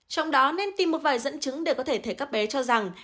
trong đó nên tìm một vài dẫn chứng để có thể thấy các bé cho rằng